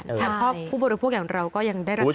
เพราะผู้บวกพวกอย่างเราก็ยังได้ราคาเดิม